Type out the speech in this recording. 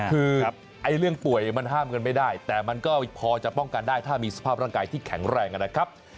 คือเรื่องป่วยมันห้ามกันไม่ได้แต่มันก็พอจะป้องกันได้ถ้ามีสภาพร่างกายที่แข็งแรงนะครับ